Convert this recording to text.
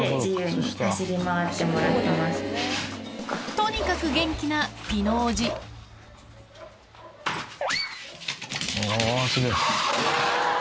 とにかく元気なピノおじあぁすげぇ。